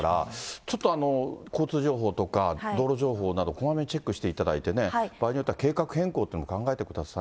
ちょっと交通情報とか、道路情報などこまめにチェックしていただいてね、場合によっては計画変更というのも考えてください。